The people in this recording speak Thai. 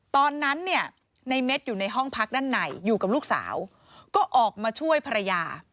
ตอนนั้นเนี่ยในเม็ดอยู่ในห้องพักด้านในอยู่กับลูกสาวก็ออกมาช่วยภรรยา